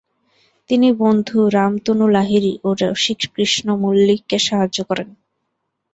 তিনি বন্ধু রামতনু লাহিড়ী ও রসিককৃষ্ণ মল্লিককে সাহায্য করেন।